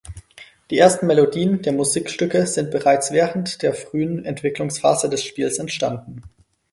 Die ersten Melodien der Musikstücke sind bereits während der frühen Entwicklungsphase des Spiels entstanden.